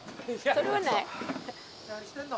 それはない？